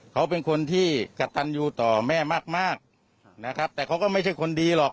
เขาเป็นคนที่กระตันอยู่ต่อแม่มากมากนะครับแต่เขาก็ไม่ใช่คนดีหรอก